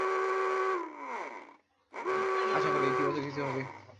আশা করি ইতিবাচক কিছু হবে এবং শিগগিরই একাডেমি আবার চালু করতে পারব।